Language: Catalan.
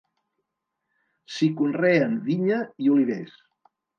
S'hi conreen vinya i olivers.